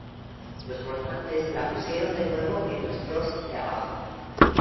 Los votantes la pusieron de nuevo en los dos de abajo.